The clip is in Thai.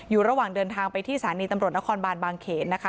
อยู่ระหว่างเดินทางไปที่สถานีตำรวจนครบานบางเขนนะคะ